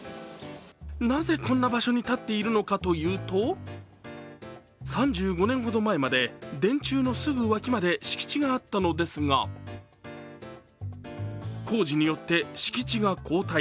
なぜ、こんな場所に立っているのかというと、３５年ほど前まで、電柱のすぐ脇まで敷地があったのですが工事によって敷地が後退。